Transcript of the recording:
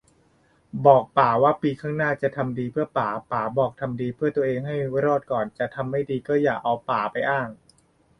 บอกป๊าว่า ปีข้างหน้า จะทำดีเพื่อป๊า ป๊าบอกทำดีเพื่อตัวเองให้รอดก่อน จะทำไม่ดีก็อย่าเอาป๊าไปอ้าง